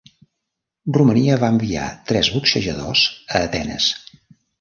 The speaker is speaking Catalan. Romania va enviar tres boxejadors a Atenes.